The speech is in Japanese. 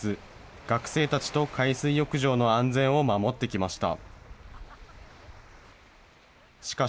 学生たちと海水浴場の安全を守ってきました。